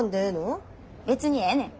別にええねん。